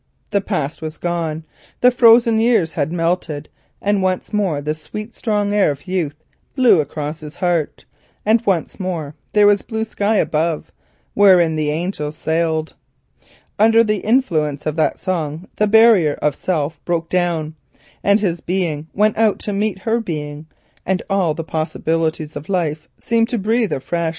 The past was gone, the frozen years had melted, and once more the sweet strong air of youth blew across his heart, and once more there was clear sky above, wherein the angels sailed. Before the breath of that sweet song the barrier of self fell down, his being went out to meet her being, and all the sleeping possibilities of life rose from the buried time.